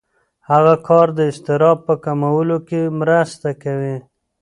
هغه کار د اضطراب په کمولو کې مرسته کوي.